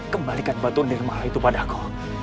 kembalikan batu nirmaha itu padaku